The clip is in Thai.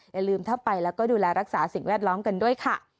อย่าลืมถ้าไปแล้วก็ดูแลรักษาสิ่งแวดล้อมกันด้วยค่ะ